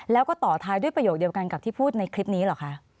แล้วก็ต่อท้ายด้วยประโยคเดียวกันกับที่พูดในคลิปนี้เหรอคะ